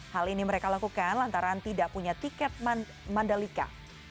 hal ini mereka lakukan lantaran tidak punya tiket mandalika